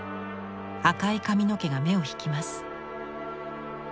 赤い髪の毛が目を引きます。